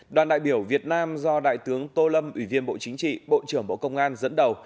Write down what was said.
đoàn đại biểu việt nam do đại tướng tô lâm ủy viên bộ chính trị bộ trưởng bộ công an dẫn đầu